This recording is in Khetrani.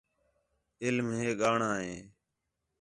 علم ہے ڳاہݨاں ہے